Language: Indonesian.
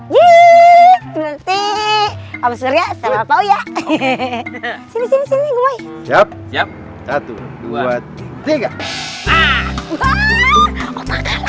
ya sini sini siap siap satu ratus dua puluh tiga